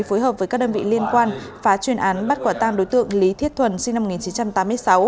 phối hợp với các đơn vị liên quan phá chuyên án bắt quả tang đối tượng lý thiết thuần sinh năm một nghìn chín trăm tám mươi sáu